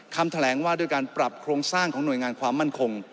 คำแถลงว่าด้วยการปรับโครงสร้างของหน่วยงานความมั่นคง